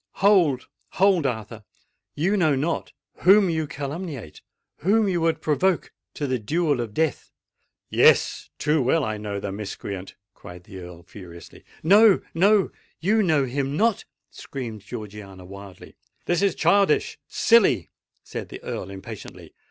"Hold! hold! Arthur—you know not whom you calumniate—whom you would provoke to the duel of death!" "Yes—too well I know the miscreant!" cried the Earl furiously. "No—no—you know him not!" screamed Georgiana wildly. "This is childish—silly!" said the Earl impatiently.